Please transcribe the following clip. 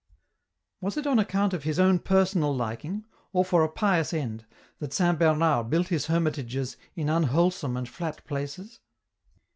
*"" Was it on account of his own personal liking, or for a pious end, that Saint Bernard built his hermitages in un wholesome and flat places